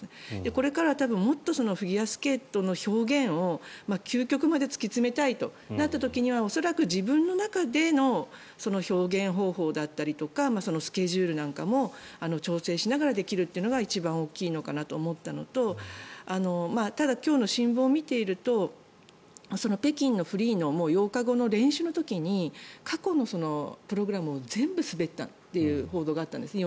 これからは多分もっとフィギュアスケートの表現を究極まで突き詰めたいとなった時には恐らく、自分の中での表現方法だったりとかスケジュールなんかも調整しながらできるのが一番大きいと思ったのと今日の新聞を見ていると北京のフリーの８日後の練習の時に過去のプログラムを全部滑ったという報道があったんですね。